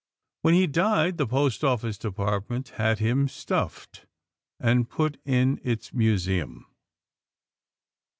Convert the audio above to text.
When he died, the Post Office Department had him stuffed and put in its museum.